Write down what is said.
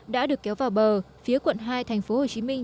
đã được kéo vào bờ phía quận hai thành phố hồ chí minh